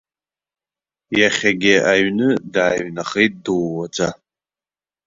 Иахьагьы аҩны дааҩнахеит дыууаӡа.